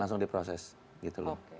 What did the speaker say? langsung diproses gitu loh